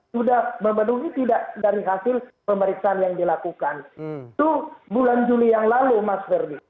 sudah memenuhi tidak dari hasil pemeriksaan yang dilakukan itu bulan juli yang lalu mas ferdi